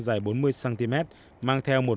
dài bốn mươi cm mang theo một